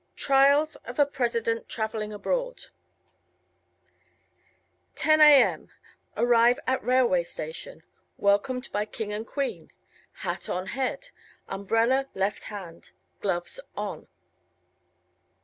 TRIALS OF A PRESIDENT TRAVELING ABROAD 10 a.m. Arrive at railway station. Welcomed by King and Queen. Hat on head. Umbrella left hand. Gloves on.